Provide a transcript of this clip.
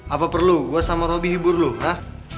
apa perlu gue sama robby hibur lo hah